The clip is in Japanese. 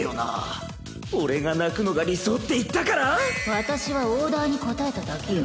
私はオーダーに応えただけよ。